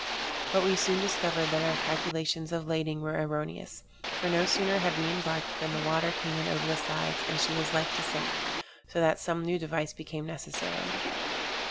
But we soon discovered that our calculations of lading were erroneous; for no sooner had we embarked, than the water came in over the sides, and she was like to sink; so that some new device became necessary.